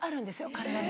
体に。